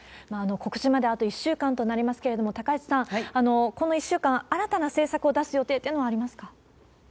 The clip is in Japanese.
告示まであと１週間となりますけれども、高市さん、この１週間、新たな政策を出す予定っていうのはありますか？